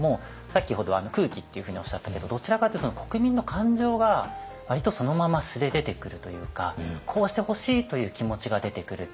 先ほど空気っていうふうにおっしゃったけどどちらかというと国民の感情が割とそのまま素で出てくるというかこうしてほしいという気持ちが出てくる。